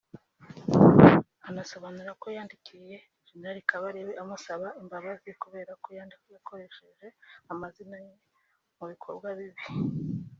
anasobanura ko yandikiye Gen Kabarebe amusaba imbabazi kubera ko yakoresheje amazina ye mu bikorwa bibi